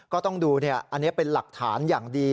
ก็ต้องดูอันนี้เป็นหลักฐานอย่างดี